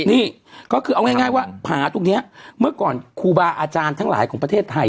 นี่ก็คือเอาง่ายว่าผาตรงนี้เมื่อก่อนครูบาอาจารย์ทั้งหลายของประเทศไทย